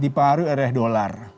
dipengaruhi oleh dolar